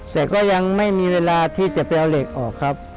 แต่ก็ยังไม่มีเวลาที่จะไปเอาเหล็กออกครับ